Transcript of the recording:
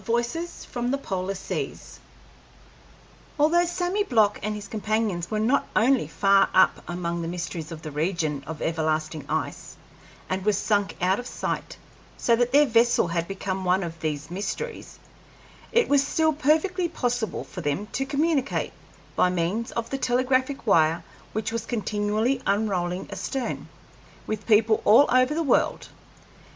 VOICES FROM THE POLAR SEAS Although Sammy Block and his companions were not only far up among the mysteries of the region of everlasting ice, and were sunk out of sight, so that their vessel had become one of these mysteries, it was still perfectly possible for them to communicate, by means of the telegraphic wire which was continually unrolling astern, with people all over the world.